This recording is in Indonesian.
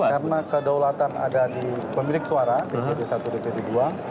karena kedaulatan ada di pemilik suara di dpd satu dan dpd dua